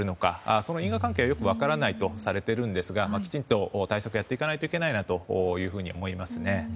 その因果関係はよく分からないとされているんですがきちんと対策をやっていかないといけないなと思いますね。